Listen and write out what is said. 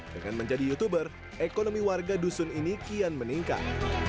dengan menjadi youtuber ekonomi warga dusun ini kian meningkat